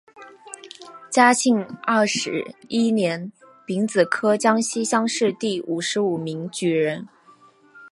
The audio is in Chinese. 嘉庆二十一年丙子科江西乡试第五十五名举人。